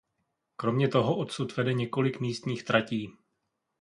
Kromě toho odsud vede několik místních tratí.